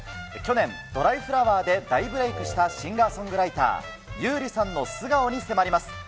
去年、ドライフラワーで大ブレークしたシンガーソングライター、優里さんの素顔に迫ります。